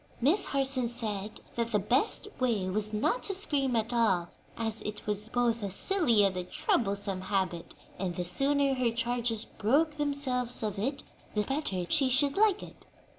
Miss Harson said that the best way was not to scream at all, as it was both a silly and a troublesome habit, and the sooner her charges broke themselves of it the better she should like it.